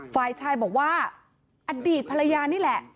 ฝ่ายชายบอกว่าอดีตภรรยานี่แหละ